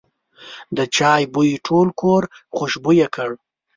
د چای بوی ټول کور خوشبویه کړ.